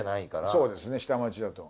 そうですね下町だと。